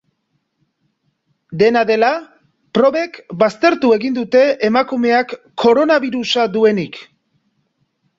Dena dela, probek baztertu egin dute emakumeak koronabirusa duenik.